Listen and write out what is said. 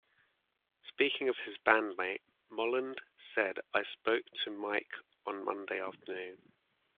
Speaking of his bandmate, Molland said I spoke to Mike on Monday afternoon.